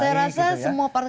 saya rasa semua partai